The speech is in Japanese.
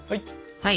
はい。